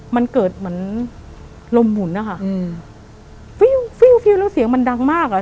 มันเกิดเหมือนลมหมุนนะคะอืมฟิวฟิวแล้วเสียงมันดังมากอ่ะ